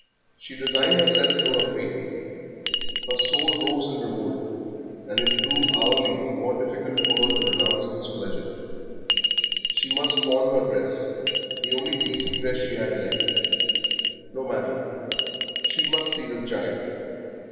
She resigned herself to her fate, her soul rose in revolt, and it grew hourly more difficult for her to renounce this pleasure. She must pawn her dress the only decent dress she had left. No matter, she must see the child.